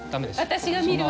・私が見るわ。